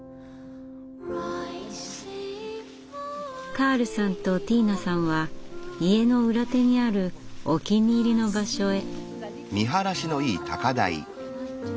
カールさんとティーナさんは家の裏手にあるお気に入りの場所へ。